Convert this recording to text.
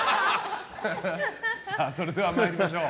それでは参りましょう。